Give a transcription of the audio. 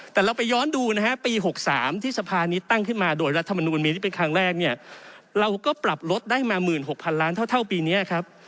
แต่เราไปย้อนดูนะฮะปี๖๓ที่สภานี้ตั้งขึ้นมาโดยรัฐมนูลมีที่เป็นครั้งแรกเนี่ยเราก็ปรับลดได้มา๑๖๐๐ล้านเท่าปีนี้ครับ